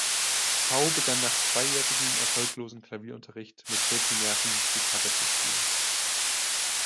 Pfau begann nach zweijährigem erfolglosem Klavierunterricht mit vierzehn Jahren Gitarre zu spielen.